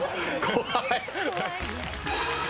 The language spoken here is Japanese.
怖い。